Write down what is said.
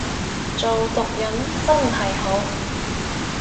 做毒撚真係好